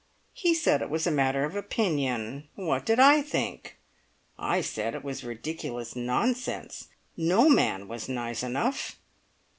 He said it was a matter of opinion. What did I think? I said it was ridiculous nonsense. No man was nice enough!